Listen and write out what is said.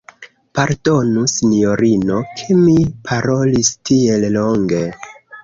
Pardonu, sinjorino, ke mi parolis tiel longe.